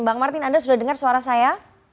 bang martin anda sudah dengar suara saya